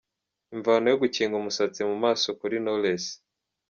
Imvano yo gukinga umusatsi mu maso kuri Knowless.